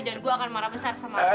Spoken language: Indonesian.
dan gue akan marah besar sama lo